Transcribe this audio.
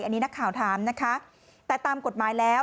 อันนี้นักข่าวถามนะคะแต่ตามกฎหมายแล้ว